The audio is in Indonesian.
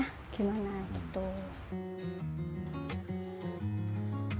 tidak sekedar menyediakan jasa art infal